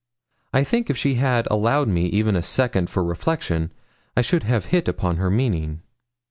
I think if she had allowed me even a second for reflection, I should have hit upon her meaning.